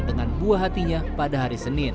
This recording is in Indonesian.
dengan buah hatinya pada hari senin